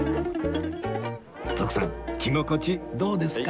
徳さん着心地どうですか？